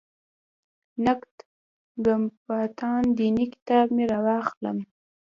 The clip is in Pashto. «نقد ګفتمان دیني» کتاب مې راواخلم.